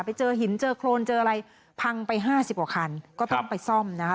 ไปเจอหินเจอโครนเจออะไรพังไปห้าสิบกว่าคันก็ต้องไปซ่อมนะคะ